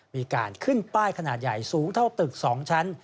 มีการขึ้นป้ายขนาดใหญ่สูงเท่าตึก๒ชั้น